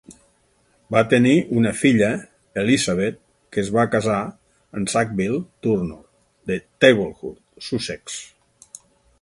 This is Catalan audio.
Va tenir una filla, Elizabeth, que es va casar amb Sackville Turnor de Tablehurt, Sussex.